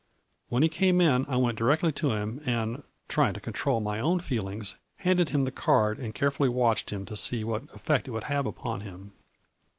When he came in I went di rectly to him and, trying to control my own feelings, handed him the card and carefully A FLURRY IN DIAMONDS . 115 watched him to see what effect it would have upon him.